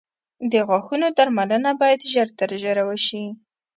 د غاښونو درملنه باید ژر تر ژره وشي.